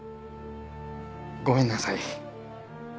ごめんなさい。